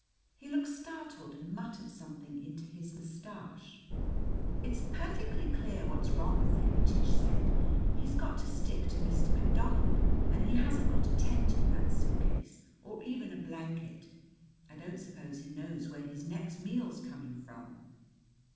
He looked startled and muttered something into his mustache. "It's perfectly clear what's wrong with him," Tish said. "He's got to stick to Mr. McDonald, and he hasn't got a tent in that suitcase, or even a blanket. I don't suppose he knows where his next meal's coming from."